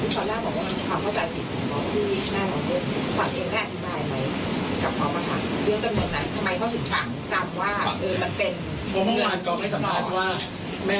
เพราะคุณภาคก็ไม่สัมพันธ์ว่าแม่ไม่ได้พูดครั้งเดียวแม่